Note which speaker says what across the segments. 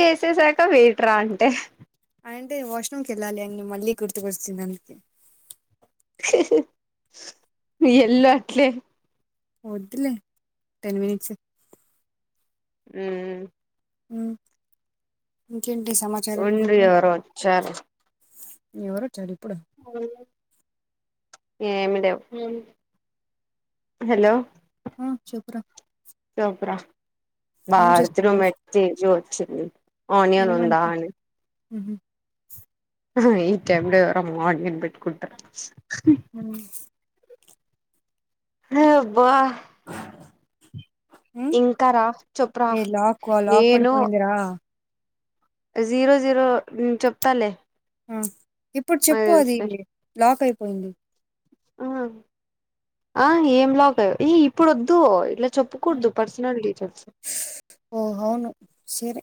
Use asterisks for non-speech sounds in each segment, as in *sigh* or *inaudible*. Speaker 1: చేసేసాక wait రా అంటే
Speaker 2: అంటే వాష్రూమ్కి వెళ్ళాలి అని మళ్ళీ గుర్తుకొచ్చింది అందుకే
Speaker 1: వెళ్ళు అట్లే
Speaker 2: వద్దులే టెన్ మినిట్స్ ఏ
Speaker 1: ఉమ్
Speaker 2: ఉమ్ ఇంకేంటి సమాచారాలు
Speaker 1: ఉండు ఎవరో వచ్చారు
Speaker 2: ఎవరొచ్చారు ఇప్పుడు
Speaker 1: ఓ ఏమి లైవ్ హలో
Speaker 2: ఆ చేపుర
Speaker 1: చోపురా
Speaker 2: ఏం
Speaker 1: బార్దలో
Speaker 2: చేస్తున్నావు
Speaker 1: మట్టీజు వచ్చింది ఆనియన్ ఉందా అని
Speaker 2: అహ
Speaker 1: ఆహా ఈ టైమ్ లో ఎవరమ్మ మార్నింగ్బట్కుంటారు
Speaker 2: హ
Speaker 1: హ అబ్బా ఇంకా రా చెప్పురా
Speaker 2: *inaudible* ఏ లాకు లాక్
Speaker 1: నేను
Speaker 2: పడిపోయిందిరా
Speaker 1: జీరో జీరో చెప్తాలే
Speaker 2: ఆ ఇప్పుడు
Speaker 1: నాకు
Speaker 2: చెప్పు అది లాక్ అయిపోయింది
Speaker 1: ఆ ఆ ఏంలాగా ఈ ఇప్పుడు వద్దు ఇ చెొప్పుకూడదు పర్సనల్ డీటల్స్
Speaker 2: ఓ అవును సరే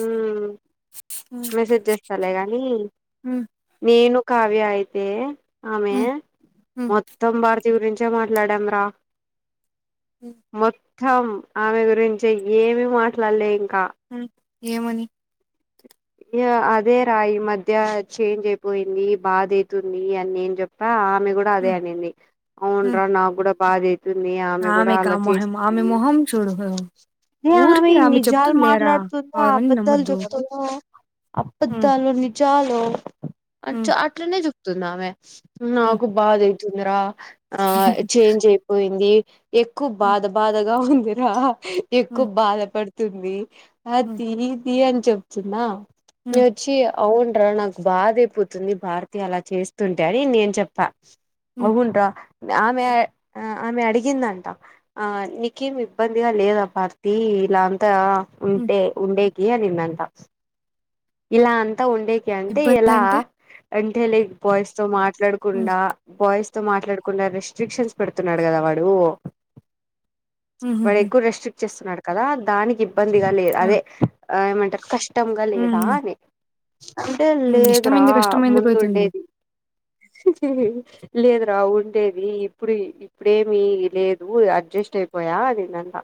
Speaker 1: ఉ మెసేజ్ చేస్తాలే గానీ నేను కావ్య అయితే ఆమె మొత్తం భార్ థీ గురించే మాట్లాడాం రా మొ ఇం ఆమె గురించి ఏమి మాట్లాడలేం
Speaker 2: హ ఏమని
Speaker 1: అదే రా ఈ మధ్య చేంజ్ అయిపోయింది బాధ అతుంది అని నేను చెప్పా కూడా అదే అనింది అవును రా నాకు కూడా బాగా వంది ఆమె కూడా
Speaker 2: కా
Speaker 1: అలా
Speaker 2: మొహం
Speaker 1: చేస్తుంది
Speaker 2: ఆమె మొహం చూడు
Speaker 1: న అనా
Speaker 2: ఊరికి
Speaker 1: మీ
Speaker 2: ఆమె
Speaker 1: నిజాలు
Speaker 2: చెప్తుంది లేరా
Speaker 1: మాట్లాడుతుందా
Speaker 2: అవన్నీ
Speaker 1: అబద్దాలు
Speaker 2: నమ్మద్దు
Speaker 1: చెప్తుందా అబద్ద్దాలు నిజాలు అ అట్లనే చూప్తున్నా ఆమె
Speaker 2: హ్మ్.
Speaker 1: నాకు బాధ అవుతుందిరా ఆ చేంజ్ అయిపోయింది ఎక్కువ
Speaker 2: హ్మ్.
Speaker 1: బాధ బాధగా ఉందిరా ఎక్కువ
Speaker 2: హ్మ్.
Speaker 1: బాధపడుతుంది
Speaker 2: హ్మ్.
Speaker 1: అతిథి అని చెప్తున్నా మీ
Speaker 2: హ్మ్.
Speaker 1: వచ్చి అవునరా నాకు బాధ అపోతుంది భారతి అలా చేస్తుంటే అని నేను చెప్పా
Speaker 2: హ్మ్.
Speaker 1: అవును ర ఆమె ఆ ఆమె అడిగిందంట ఆ నీకేం ఇబ్బందిగా లేదా భార్తి ఇలా అంతా
Speaker 2: హ్మ్.
Speaker 1: ఉంటే ఉండేకి అన్నదాత ఇలా అ అంత ఉండేకి అంటే ఎలా
Speaker 2: ఇబ్బందంటే?
Speaker 1: అంటే లైక్ బాయ్స్ తో
Speaker 2: హ్మ్.
Speaker 1: మాట్లాడకుండా బాయ్స్ తో మాట్లాడకుండా రెస్ట్రిక్షన్స్ పెడుతున్నాడు కదా వాడు వాడు
Speaker 2: హుహుహు.
Speaker 1: ఎక్కువరు రెస్ట్రిక్ట్ చేస్తున్నాడు కదా దానికి ఇబ్బందిగా లేదు
Speaker 2: ఆ!
Speaker 1: అదే ఆ ఏమంటారు కష్ట చట్టంగా
Speaker 2: హ్మ్.
Speaker 1: లేదా
Speaker 2: హ్మ్.
Speaker 1: అ అండ
Speaker 2: హ్మ్.
Speaker 1: లేదు రా
Speaker 2: ఇష్టమైంది
Speaker 1: ముందు
Speaker 2: కష్టమెందుకవుతుంది?
Speaker 1: ఉండేది లేదు రా ఉండేది ఇప్పుడు ఇప్పుడేమిీ లేదు అర్జున్ ష్టయిపోయా అదిన్నందా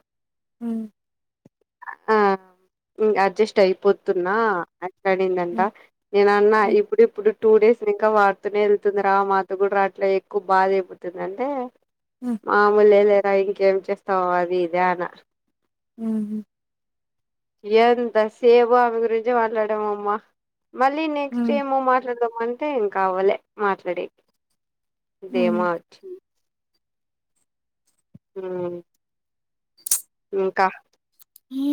Speaker 2: హ
Speaker 1: ఆ ఇ అడ్జస్ట్ అయిపోతున్నా మాట్లాడిందంటా
Speaker 2: హ్మ్.
Speaker 1: నేన అన్నా
Speaker 2: హ్మ్.
Speaker 1: ఇప్పుడు ఇప్పుడు టూ డేస్ ఇంకా వాడుతూనే వెళ్తుంది రా మాత కూడా అట్లా ఎక్కువ బాధ అయిపోతుంది అంటే
Speaker 2: హ్మ్.
Speaker 1: మామూలు లేరా ఇంకేం చేస్తావ అది ఇది్యాన
Speaker 2: ఊహు
Speaker 1: *unintelligible* మళ్ళీ నెక్స్ట్
Speaker 2: హ్మ్.
Speaker 1: ఏమో మాట్లాడదాము అంటేం అవాలి మాట్లాడే థాయ్
Speaker 2: హ్మ్.
Speaker 1: నార్త్ హు ఇంకా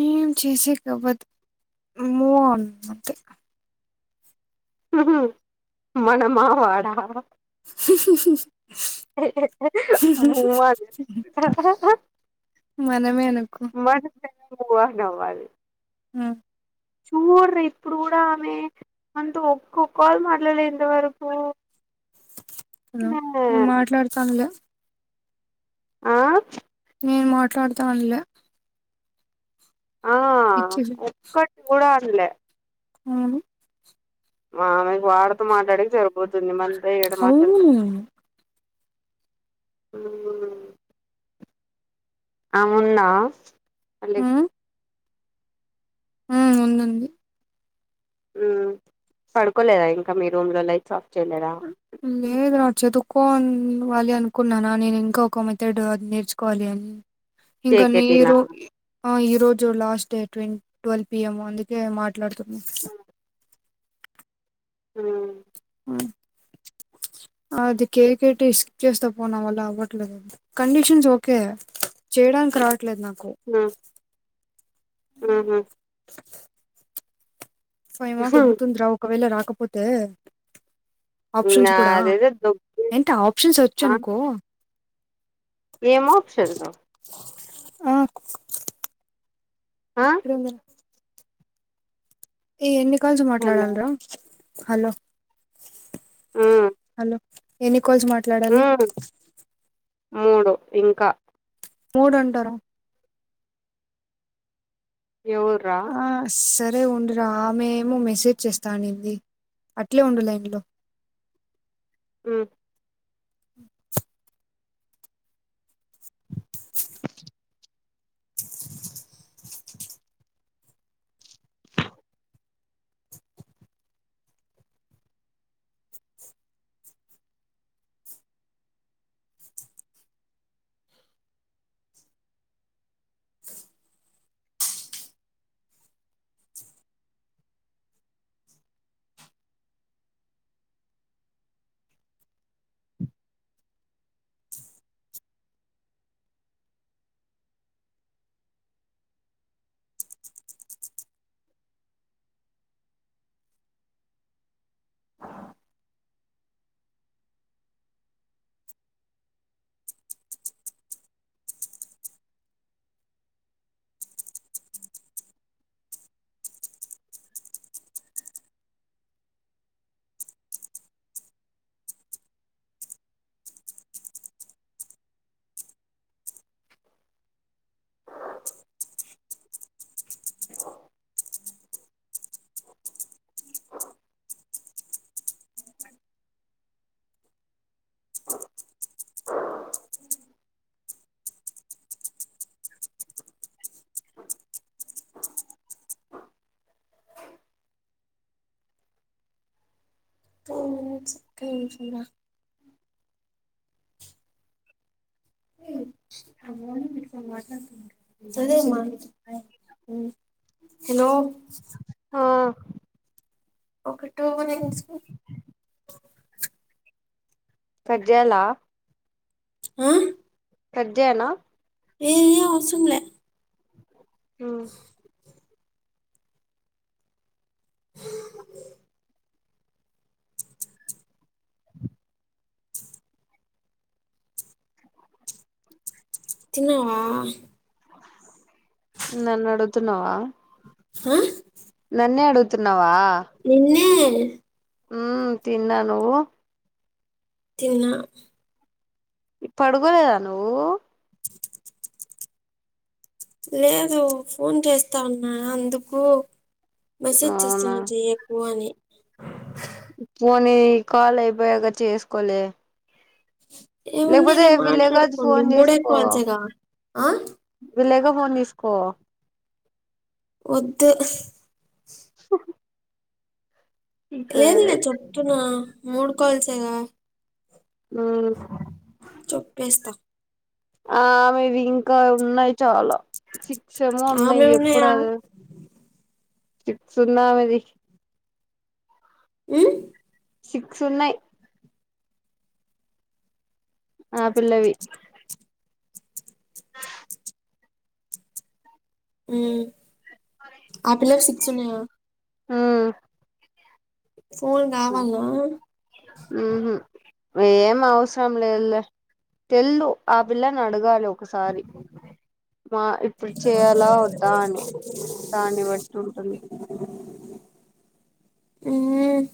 Speaker 2: ఏం చేసే కవ్వదు మూవ్ అన్ అంతే
Speaker 1: ఊహు మనమా వాడా
Speaker 2: హు
Speaker 1: *unintelligible*
Speaker 2: మనమే అనుకో
Speaker 1: ము ఆన్ అవ్వాలి
Speaker 2: హు
Speaker 1: చూడరా ఇప్పుడు కూడా ఆమె అందు ఒక్కొ కాల్ మాట్లాలే ఎంతవరకు
Speaker 2: హ నేను మాట్లాడతానులే
Speaker 1: ఆ
Speaker 2: నేను మాట్లాడతా అనులే ఇచ్చులు
Speaker 1: లే
Speaker 2: అవును
Speaker 1: ఆమెకు వాడుతో మాట్లాడే కి సరిపోతుంది మళ్లీ
Speaker 2: అవును
Speaker 1: ఆహా ఆమె ఉందా అన్నిట్లో
Speaker 2: హ ఉంది ఉంది
Speaker 1: హు పడుకోలేదా ఇంకా మీ రూమ్ లో లైట్ ఆఫ్ చేయలేదా
Speaker 2: లేదు వాళ్ళు చదువు కోవాలి అనుకున్నాను నేను ఇంకా ఒక మెథడ్ అది నేర్చుకోవాలి అని ఇంకా
Speaker 1: కేకేటీనా
Speaker 2: నీరు ఈరోజు లాస్ట్ డేట్ ట్వల్వ్ పిఎంమ్ అందుకే మాట్ మాట్లాడుతున్నా
Speaker 1: ఆహ
Speaker 2: అది కే కేటి స్కిప్ చేస్తా పో నావల్ల అవ్వట్లేదు కండిషన్స్ ఓకే చేయడానికి రావట్లేదు నాకు
Speaker 1: ఆహా
Speaker 2: ఫైమా
Speaker 1: హ్మ్
Speaker 2: దొబ్బుతుంది రా ఒకవేళ రాకపోతే ఆప్షన్స్ కూడా
Speaker 1: నాదేదో దొబ్బే
Speaker 2: ఏంటి ఆప్షన్స్ వచ్చు
Speaker 1: ఆ
Speaker 2: అనుకో
Speaker 1: ఏం ఆప్షన్స్
Speaker 2: హ
Speaker 1: ఆ
Speaker 2: ఇక్కడుంది ఈ ఎన్ని కాల్స్
Speaker 1: హలో
Speaker 2: మాట్లాడాలరా హలో
Speaker 1: మ్మ్
Speaker 2: హలో ఎన్ని కాల్స్ మాట్లాడాలి
Speaker 1: మ్మ్ మూడు ఇంకా
Speaker 2: మూడు అంటా రా
Speaker 1: ఎవర్రా
Speaker 2: అరె ఉండు రాఅమే ఏమో మెసేజ్ చేస్తా అనింది అట్లే ఉండు లైన్ లో
Speaker 1: *unintelligible*
Speaker 2: హు చిన్న నీతో మాట్లాడుతాద సరే అమ్మ
Speaker 1: *unintelligible*
Speaker 2: హలో
Speaker 1: అహా
Speaker 2: ఒక టో రెన్స్
Speaker 1: కట్ చేయాల
Speaker 2: *inaudible*
Speaker 1: కట్ చేయనా
Speaker 2: ఏది అవసరం లే
Speaker 1: ఆ *inaudible*
Speaker 2: తిన్నావా
Speaker 1: నన్నడుగుతున్నావా?
Speaker 2: ఆ
Speaker 1: నన్నే అడుగుతున్నావా?
Speaker 2: నిన్నే
Speaker 1: మ్ తిన్నా. నువ్వు?
Speaker 2: తిన్న.
Speaker 1: పడుకోలేదా నువ్వు?
Speaker 2: లేదు ఫోన్ చేస్తా ఉన్నా. అందుకు, మిసేజ్ చేస.
Speaker 1: అవునా
Speaker 2: నువ్వు చెయ్యకు అని
Speaker 1: పోనీ ఈ కాల్ అయిపోయాక చేసుకోలే. లేకపోతే,
Speaker 2: ఏముందిలే
Speaker 1: విళ్లేకది
Speaker 2: మాట్లాడుకోండి
Speaker 1: ఫోన్
Speaker 2: మూడే
Speaker 1: తీస్కోపో
Speaker 2: కాల్సేగా ఆ
Speaker 1: విల్లేక ఫోన్ తీసుకో
Speaker 2: వద్దు.
Speaker 1: *inaudible* సరే
Speaker 2: లేదులే చెప్తున్నా. మూడు కాల్సేగా
Speaker 1: మ్
Speaker 2: చొప్పేస్తా.
Speaker 1: ఆ మీవి ఇంకా ఉన్నాయి. చాలా సిక్సెమో ఉన్నాయి.
Speaker 2: ఆమె
Speaker 1: ఎప్పుడు
Speaker 2: ఉన్నాయా
Speaker 1: అవి సిక్స్ ఉన్నాయి అవి
Speaker 2: మ్
Speaker 1: సిక్స్ ఉన్నాయి. ఆ పిల్లవి.
Speaker 2: మ్ ఆ పిల్లవి సిక్స్ ఉన్నాయా?
Speaker 1: మ్
Speaker 2: ఫోన్ కావాలా?
Speaker 1: ఉహు ఏం అవసరం లేదులే. తెల్దు ఆ పిల్లని అడగాలి ఒకసారి. మా ఇప్పుడు చేయాలా వద్దా అని. దాన్ని బట్టి ఉంటుంది.
Speaker 2: మ్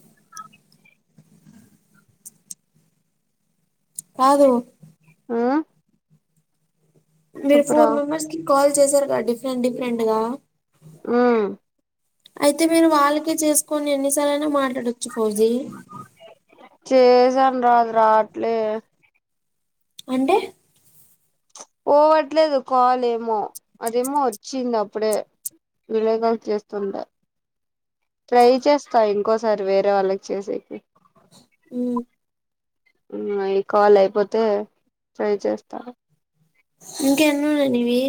Speaker 2: కాదు
Speaker 1: ఉ
Speaker 2: మీరు ఫోర్ మెంబర్స్ కి కాల్ చేసారుగా, డి డిఫరెంట్ డిఫరెంట్ గా
Speaker 1: ఉమ్
Speaker 2: అయితే, మీరు వాళ్ళక చేస్ కొన్ని ఎన్ని సార్లైనా మాట్లాడచ్చు ఫౌజీ.
Speaker 1: చేసాన్ రా అది రాట్లే.
Speaker 2: అంటే?
Speaker 1: పోవట్లేదు కాల్ ఏమో, అదేమో వచ్చింది అప్పుడే. వీడియో కాల్ చేస్తుంటె. ట్రై చేస్తా, ఇంకోసారి వేరే వాళ్ళకి చేసేకి.
Speaker 2: మ్
Speaker 1: మ్ ఈ కాల్ అయిపోతే, ట్రై చేస్తా.
Speaker 2: ఇంకా ఎన్నున్నాయి నీవి?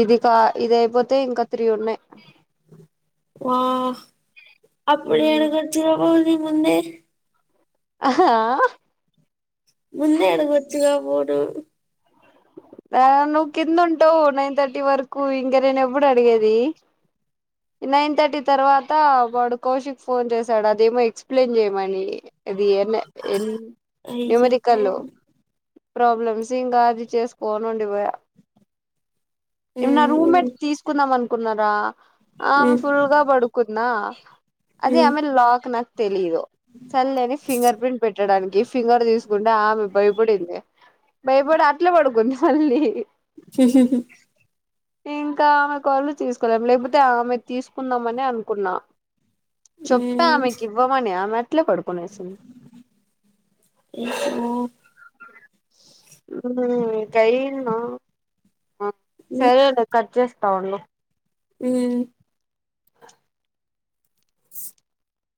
Speaker 1: ఇది కా, ఇది అయిపోతే, ఇంక త్రీ ఉన్నాయి.
Speaker 2: వా
Speaker 1: ఉమ్
Speaker 2: అప్పుడేడుకొచ్చనావని ముందే
Speaker 1: అహా ఆ
Speaker 2: ముందే అడగచ్చుగా పోటు
Speaker 1: ఆ నువ్వు కింద ఉంటావు నైన్ థర్టీ వరకు. ఇంక, నేను ఎప్పుడు అడిగేది? నైన్ థర్టీ తర్వాత వాడు కౌశిక్ ఫోన్ చేసాడు. అదేమో ఎక్స్ప్లెయిన్ చేయమని. ఇది ఎం ఎ ఎన్
Speaker 2: అయ్యో
Speaker 1: న్యూమరికల్. ప్రాబ్లమ్స్ ఇంక అది చేసుకోని ఉండిపోయా. ఏమ్ నా
Speaker 2: ఉమ్,
Speaker 1: రూమ్మేట్ ది తీసుకుందాం అనుకున్నారా. ఆ ఆమె
Speaker 2: ఉమ్,
Speaker 1: ఫుల్గా బడుకుద్నా అదే
Speaker 2: ఉమ్.
Speaker 1: ఆమె లాక్ నాక తెలిదు చల్లేని ఫింగర్ ప్రింట్ పెట్టడానికి ఫింగర్ తీసుకుంటే ఆమె భయపడింది భయపడి అట్లా పడుకుంది మళ్ళీ
Speaker 2: ఉ హు
Speaker 1: ఇంకా ఆమె కాళ్లుు తీసుకలేం లేకపోతే ఆమె తీసుకుందామ ని అనుకున్నా చొప్త
Speaker 2: ఉమ్
Speaker 1: ఆమె కివ్వమనే ఆమె ఇట్లే పడుకునేసింది
Speaker 2: ఉమ్
Speaker 1: ఉమ్ కైన సరే లే కట్ చేస్ టవల్లు
Speaker 2: ఉమ్